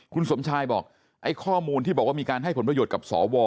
คุณสมชายบอกไอ้ข้อมูลที่บอกว่ามีการให้ผลประโยชน์กับสว